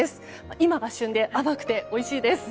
今が旬で甘くておいしいです。